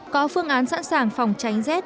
có phương án sẵn sàng phòng tránh rét